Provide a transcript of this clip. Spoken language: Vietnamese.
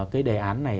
cái đề án này